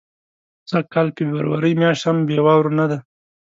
سږ کال فبرورۍ میاشت هم بې واورو نه ده.